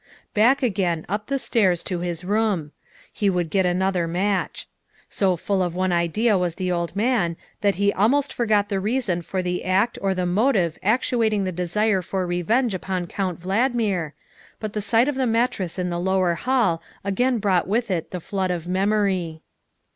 Back again, up the stairs to his room. He would get another match. So full of one idea was the old man that he almost forgot the reason for the act or the motive actuating the desire for revenge upon Count Valdmir, but the sight of the mattress in the lower hall again brought with it the flood of memory.